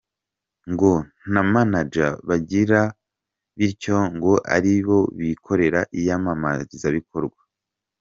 ngo nta manager bagira bityo ngo ari bo bikorera iyamamazabikorwa.